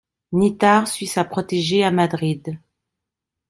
Nithard suit sa protégée à Madrid.